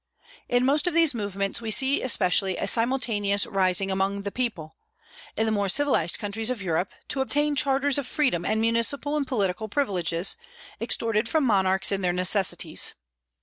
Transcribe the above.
In most of these movements we see especially a simultaneous rising among the people, in the more civilized countries of Europe, to obtain charters of freedom and municipal and political privileges, extorted from monarchs in their necessities.